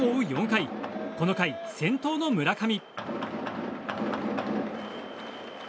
４回この回、先頭の村上。